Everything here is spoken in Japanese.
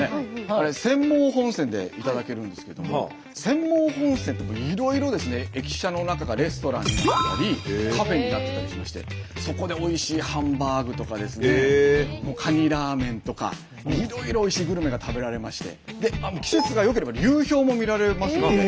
あれ釧網本線で頂けるんですけども釧網本線っていろいろ駅舎の中がレストランになってたりカフェになってたりしましてそこでおいしいハンバーグとかカニラーメンとかいろいろおいしいグルメが食べられまして季節が良ければ流氷も見られますので。